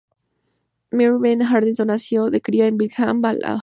Mary Bebe Anderson nació y se cria en Birmingham, Alabama.